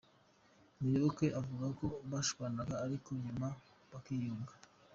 Muyoboke avuga ko bashwanaga ariko nyuma bakiyunga.